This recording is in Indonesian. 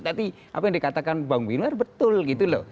tadi apa yang dikatakan bang willar betul gitu loh